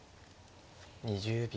２０秒。